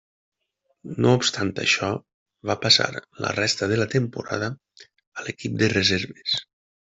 No obstant això, va passar la resta de la temporada a l'equip de reserves.